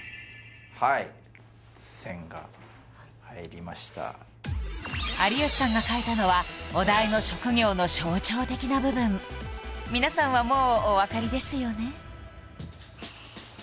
はい線が入りました有吉さんが描いたのはお題の職業の象徴的な部分皆さんはもうお分かりですよね？